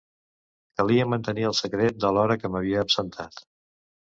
Calia mantenir el secret de l'hora que m'havia absentat.